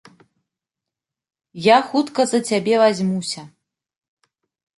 Я хутка за цябе вазьмуся.